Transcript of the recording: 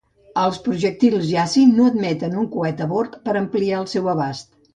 Els projectils Yasin no admeten un coet a bord per ampliar el seu abast.